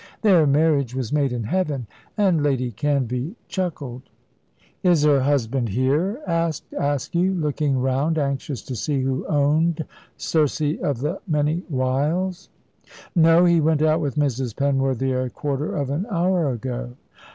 Their marriage was made in heaven"; and Lady Canvey chuckled. "Is her husband here?" asked Askew, looking round, anxious to see who owned Circe of the many wiles. "No; he went out with Mrs. Penworthy a quarter of an hour ago."